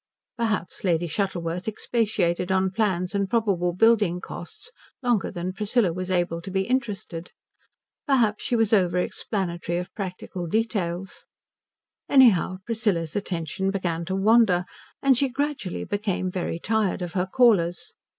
Perhaps Lady Shuttleworth expatiated on plans and probable building costs longer than Priscilla was able to be interested; perhaps she was over explanatory of practical details; anyhow Priscilla's attention began to wander, and she gradually became very tired of her callers.